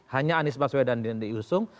hanya anies maswedan dan dendek yusung